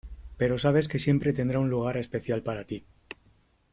Pero sabes que siempre tendrá un lugar especial para ti .